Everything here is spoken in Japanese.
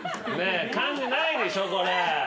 漢字ないでしょこれ。